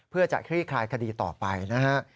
เพื่อจะคลี่คลายคดีต่อไปนะฮะ